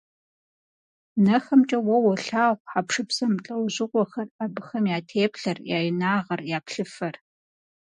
НэхэмкӀэ уэ уолъагъу хьэпшып зэмылӀэужьыгъуэхэр, абыхэм я теплъэр, я инагъыр, я плъыфэр.